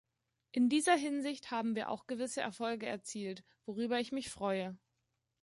In dieser Hinsicht haben wir auch gewisse Erfolge erzielt, worüber ich mich freue.